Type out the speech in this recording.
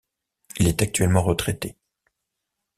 Il est actuellement retraité.